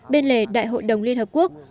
bên lề đại hội đồng liên hợp quốc